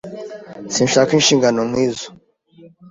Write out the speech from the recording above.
Sinshaka inshingano nk'izo.